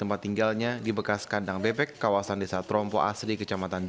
alih kan oh terabat